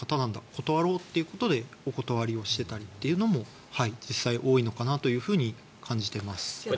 断ろうってことでお断りをしていたというのも実際に多いかなと感じています。